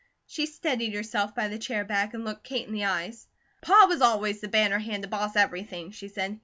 She steadied herself by the chair back and looked Kate in the eyes. "Pa was always the banner hand to boss everything," she said.